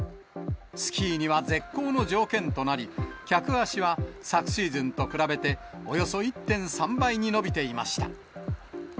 スキーには絶好の条件となり、客足は昨シーズンと比べて、およそ１．３倍に伸びていました。